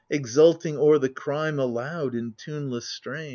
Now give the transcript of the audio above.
Exulting o'er the crime, aloud, in tuneless strain